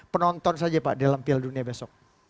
penonton saja pak dalam piala dunia besok